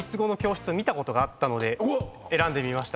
選んでみました。